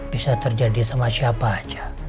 bisa terjadi sama siapa aja